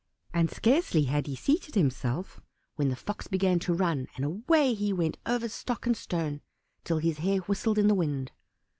And scarcely had he seated himself when the Fox began to run, and away he went over stock and stone till his hair whistled in the wind.